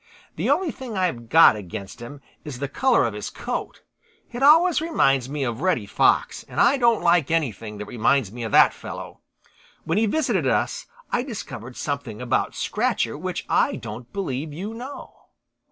The only thing I've got against him is the color of his coat. It always reminds me of Reddy Fox, and I don't like anything that reminds me of that fellow. When he visited us I discovered something about Scratcher which I don't believe you know."